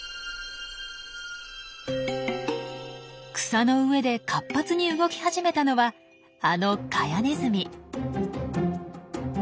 草の上で活発に動き始めたのはあのカヤネズミ。